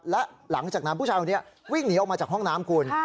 และหลังจากนั้นผู้ชายคนนี้วิ่งหนีออกมาจากห้องน้ำคุณ